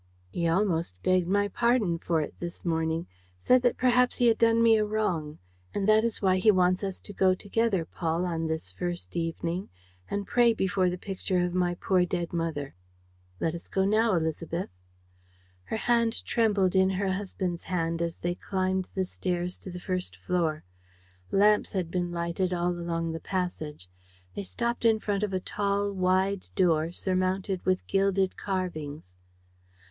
He almost begged my pardon for it this morning, said that perhaps he had done me a wrong; and that is why he wants us to go together, Paul, on this first evening, and pray before the picture of my poor dead mother." "Let us go now, Élisabeth." Her hand trembled in her husband's hand as they climbed the stairs to the first floor. Lamps had been lighted all along the passage. They stopped in front of a tall, wide door surmounted with gilded carvings.